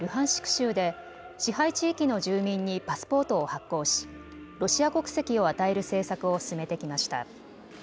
州で支配地域の住民にパスポートを発行しロシア国籍を与える政策を進めてきました。